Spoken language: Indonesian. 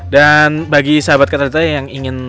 dan bagi sahabat kata data yang ingin